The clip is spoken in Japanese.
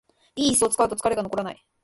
良いイスを使うと疲れが残らない